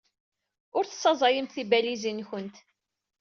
Ur tessaẓyemt tibalizin-nwent.